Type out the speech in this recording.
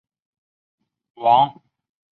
王羽人。